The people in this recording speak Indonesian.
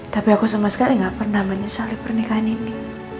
tapi aku sama sekali nggak pernah menyesal pernikahan ini